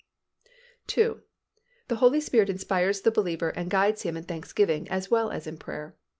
II. The Holy Spirit inspires the believer and guides him in thanksgiving as well as in prayer.